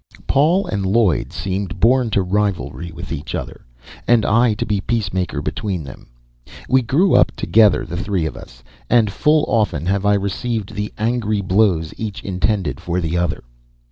Paul and Lloyd seemed born to rivalry with each other, and I to be peacemaker between them. We grew up together, the three of us, and full often have I received the angry blows each intended for the other.